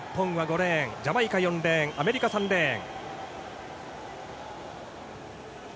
レーンジャマイカ、４レーンアメリカ、３レーン。